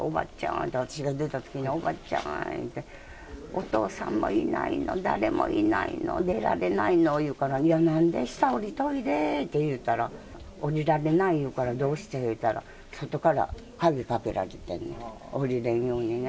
言うて、私が出たときに、おばちゃん言うて、お父さんもいないの、誰もいないの、出られないの言うから、いやなんで、下、下りといでって言うたら、下りられない言うから、どうして言うたら、外から鍵かけられてんねん、下りれんようにね。